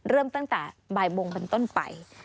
เริ่มตั้งแต่บ่ายโมงเป็นต้นไป